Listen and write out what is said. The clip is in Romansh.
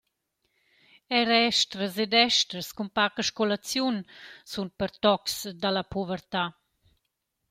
Eir estras ed esters cun paca scolaziun sun pertocs da la povertà.